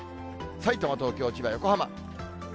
さいたま、東京、千葉、横浜。